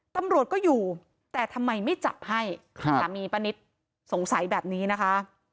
ตำรวจก็อยู่แต่ทำไมไม่จับให้สามีป้านิตสงสัยแบบนี้นะคะ